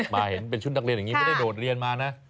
มาเห็นเป็นชุดนักเรียนอย่างนี้ไม่ได้โดดเรียนมานะ